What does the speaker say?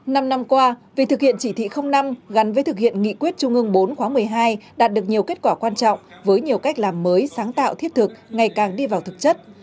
năm năm qua việc thực hiện chỉ thị năm gắn với thực hiện nghị quyết trung ương bốn khóa một mươi hai đạt được nhiều kết quả quan trọng với nhiều cách làm mới sáng tạo thiết thực ngày càng đi vào thực chất